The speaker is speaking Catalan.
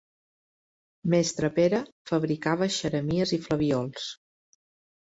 Mestre Pere fabricava xeremies i flabiols.